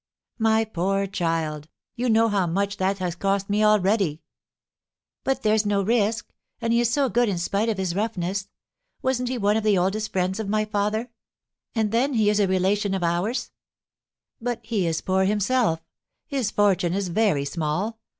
"My poor child, you know how much that has cost me already!" "But there's no risk; and he is so good in spite of his roughness. Wasn't he one of the oldest friends of my father? And then he is a relation of ours." "But he is poor himself, his fortune is very small.